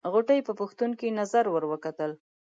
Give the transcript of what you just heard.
غوټۍ په پوښتونکې نظر ور وکتل.